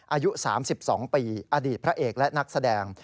อายุ๓๒ปีอดีตพระเอกและนักแสดง